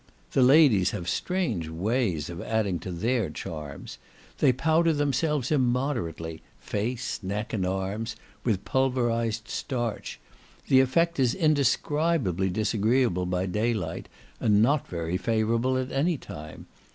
The ladies have strange ways of adding to their charms. They powder themselves immoderately, face, neck, and arms, with pulverised starch; the effect is indescribably disagreeable by daylight, and not very favourable at any time.